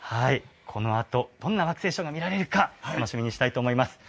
このあと、どんな惑星ショーが見られるか、楽しみにしたいと思います。